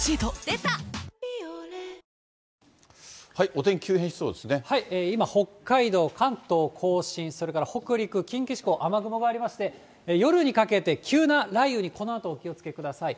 お天気、今、北海道、関東甲信、それから北陸、近畿地方、雨雲がありまして、夜にかけて急な雷雨にこのあとお気をつけください。